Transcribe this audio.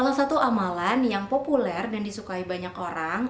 salah satu amalan yang populer dan disukai banyak orang